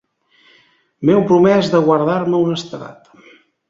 M'heu promès de guardar-me honestedat.